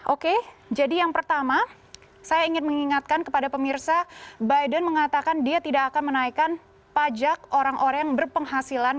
oke jadi yang pertama saya ingin mengingatkan kepada pemirsa biden mengatakan dia tidak akan menaikkan pajak orang orang yang berpenghasilan